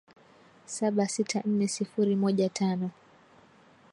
saba sita nne sifuri moja tano